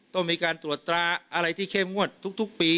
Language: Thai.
ต้องมีการตรวจตราอะไรที่เข้มงวดทุกปี